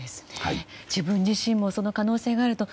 自分自身もその可能性があると